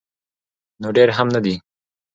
نو ډیر هم نه دي.